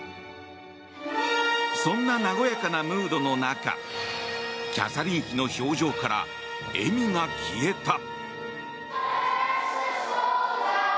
そんな和やかなムードの中キャサリン妃の表情から笑みが消えた。